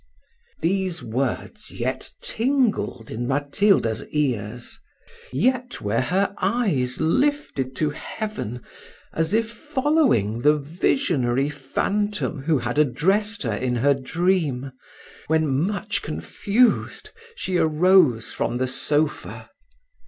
These words yet tingled in Matilda's ears; yet were her eyes lifted to heaven, as if following the visionary phantom who had addressed her in her dream, when, much confused, she arose from the sofa.